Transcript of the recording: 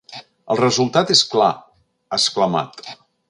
El resultat és clar, ha exclamat.